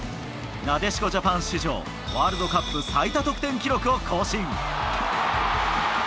なでしこジャパン史上、ワールドカップ最多得点記録を更新。